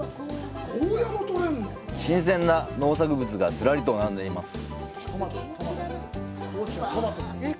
新鮮な農作物がズラリと並んでいます。